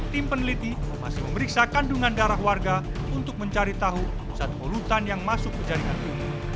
tim peneliti masih memeriksa kandungan darah warga untuk mencari tahu zat polutan yang masuk ke jaringan ini